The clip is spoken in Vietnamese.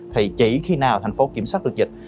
thì chỉ khi nào thành phố kiểm soát được dịch